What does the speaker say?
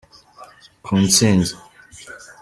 ku ntsinzi.